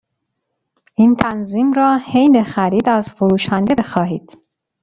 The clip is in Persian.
این تنظیم را حین خرید از فروشنده بخواهید.